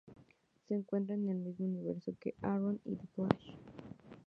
Se encuentra en el mismo universo que "Arrow" y "The Flash".